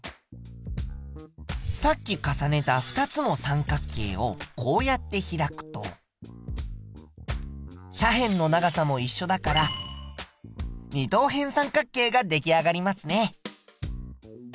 さっき重ねた２つの三角形をこうやって開くと斜辺の長さもいっしょだから二等辺三角形が出来上がりますね。